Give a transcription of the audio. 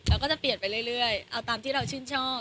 ก็จะเปลี่ยนไปเรื่อยเอาตามที่เราชื่นชอบ